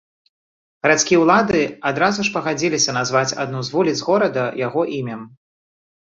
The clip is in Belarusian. Гарадскія ўлады адразу ж пагадзіліся назваць адну з вуліц горада яго імем.